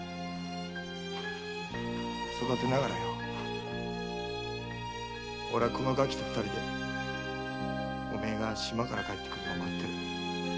育てながら俺はこのガキと二人でおめえが島から帰ってくるのを待ってる。